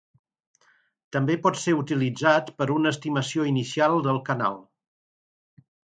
També pot ser utilitzat per una estimació inicial del canal.